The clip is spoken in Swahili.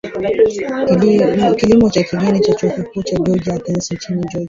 Kilimo cha Kigeni na Chuo Kikuu cha Georgia Athens nchini Georgia